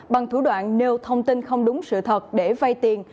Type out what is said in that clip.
bằng thủ đoạn nêu thông tin không đúng sự thật để vay tiền